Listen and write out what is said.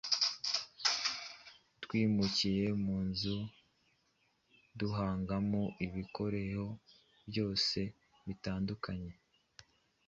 Twimukiye munzu duangamo ibikoreho byoe bitandukanye